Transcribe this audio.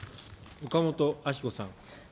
岡本あき子さん。